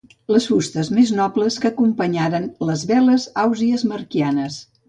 Les fustes més nobles que acompanyaren les veles ausiasmarquianes.